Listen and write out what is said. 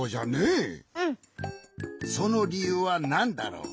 そのりゆうはなんだろう？